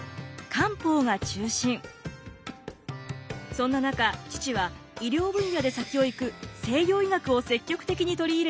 そんな中父は医療分野で先を行く西洋医学を積極的に取り入れていました。